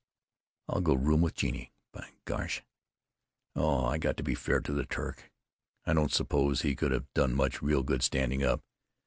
I'll go room with Genie. By gosh——Oh, I got to be fair to the Turk. I don't suppose he could have done much real good standing up.